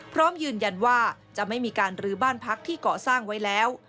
พร้อมยืนยันว่าจะไม่มีการลื้อบ้านพักที่เกาะสร้างไว้แล้ว